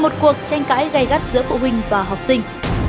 một cuộc tranh cãi gây gắt giữa phụ huynh và học sinh